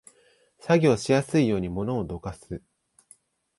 作業しやすいように物をどかす